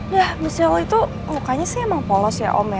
yah michelle itu mukanya sih emang polos ya om ya